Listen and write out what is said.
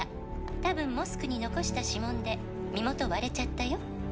「たぶんモスクに残した指紋で身元割れちゃったよ」